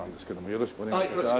よろしくお願いします。